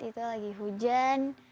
itu lagi hujan